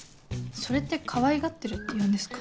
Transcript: それってかわいがってるって言うんですか？